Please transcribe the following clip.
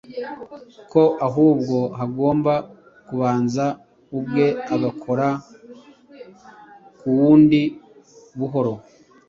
ko ahubwo hagomba kubanza umwe agakora k’uwundi buhoro